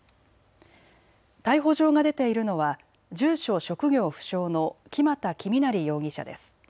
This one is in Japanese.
逮捕状が出ているのは住所職業不詳の木俣公成容疑者です。